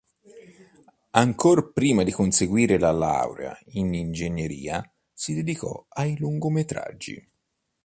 Ancor prima di conseguire la laurea in ingegneria si dedicò ai lungometraggi.